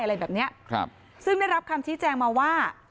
อะไรแบบเนี้ยครับซึ่งได้รับคำชี้แจงมาว่า